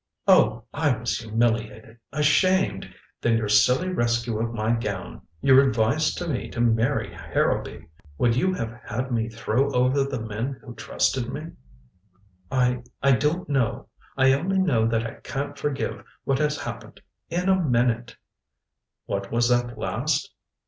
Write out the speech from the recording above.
"Oh, I was humiliated, ashamed. Then your silly rescue of my gown your advice to me to marry Harrowby " "Would you have had me throw over the men who trusted me " "I I don't know. I only know that I can't forgive what has happened in a minute " "What was that last?"